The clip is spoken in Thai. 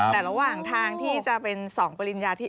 แต่ระหว่างทางที่จะเป็น๒ปริญญาที่